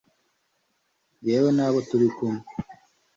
jyewe n'abo turi kumwe